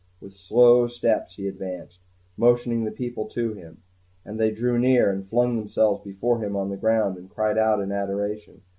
With slow steps he advanced, motioning the people to him; and they drew near, and flung themselves before him on the ground, and cried out in adoration.